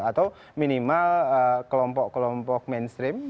atau minimal kelompok kelompok mainstream